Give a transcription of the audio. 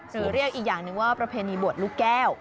หรือเรียกอีกอย่างหนึ่งว่าประเพณีบวชลูกแก้ว